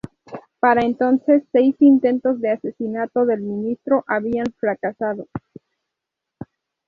Para entonces seis intentos de asesinato del ministro habían fracasado.